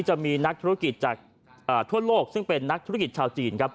จะมีนักธุรกิจจากทั่วโลกซึ่งเป็นนักธุรกิจชาวจีนครับ